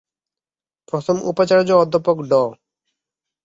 প্রথম উপাচার্য অধ্যাপক ড।